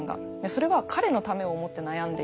それは彼のためを思って悩んでいる。